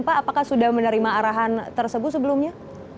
pak apakah sudah menerima arahan tersebut sebelumnya